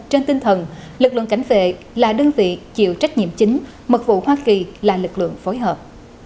trên tinh thần lực lượng cảnh vệ là đơn vị chịu trách nhiệm chính mật vụ hoa kỳ là lực lượng phối hợp